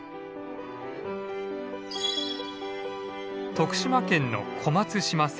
徳島県の小松島線。